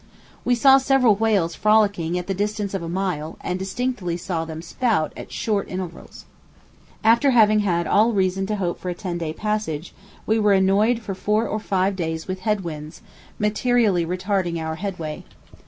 We saw several whales frolicking at the distance of a mile, and distinctly saw them spout at short intervals. After having had all reason to hope for a ten day passage, we were annoyed for four or five days with head winds, materially retarding our headway.